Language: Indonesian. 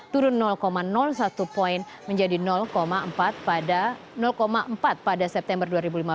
turun satu poin menjadi empat pada september dua ribu lima belas